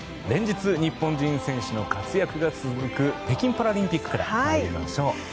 連日、日本人選手の活躍が続く北京パラリンピックから参りましょう。